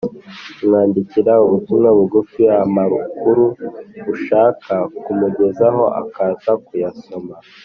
umwandikira ubutumwa bugufi, amakuru ushaka kumugezaho akaza kuyasoma